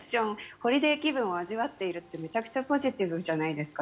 ホリデー気分を味わっているってめちゃくちゃポジティブじゃないですか。